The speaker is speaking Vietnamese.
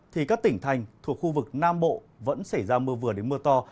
thì các tỉnh thành thuộc khu vực nam bộ vẫn xảy ra mưa vừa đến mưa to